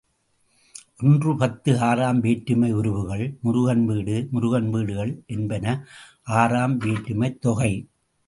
ஒன்று பத்து ஆறாம் வேற்றுமை உருபுகள் முருகன் வீடு, முருகன் வீடுகள் என்பன ஆறாம் வேற்றுமைத் தொகை.